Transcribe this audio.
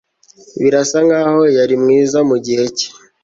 Birasa nkaho yari mwiza mugihe cye